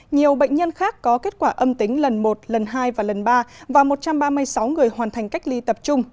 nhiều bệnh nhân khác có kết quả âm tính lần một lần hai và lần ba và một trăm ba mươi sáu người hoàn thành cách ly tập trung